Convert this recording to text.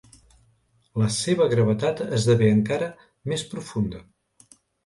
La seva gravetat esdevé encara més profunda.